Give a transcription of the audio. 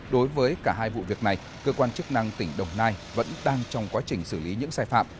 đối với cả hai vụ việc này cơ quan chức năng tỉnh đồng nai vẫn đang trong quá trình xử lý những sai phạm